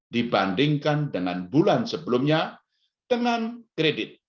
dibandingkan dengan bulan sebelumnya dengan kredit